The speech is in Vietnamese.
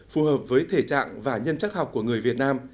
phù hợp với thể trạng và nhân chắc học của người việt nam